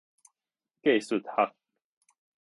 藝術學